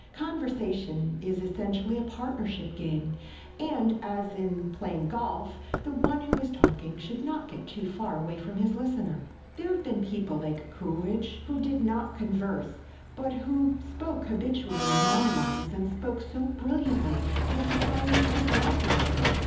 Conversation is essentially a partnership game and, as in playing golf, the one who is talking should not get too far away from his listener. There have been people like Coleridge who did not converse but who spoke habitually in monologues and spoke so brilliantly that society was glad to listen.